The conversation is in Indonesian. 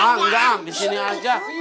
ah enggak disini aja